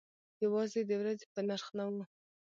یوازې د ورځې په نرخ نه و.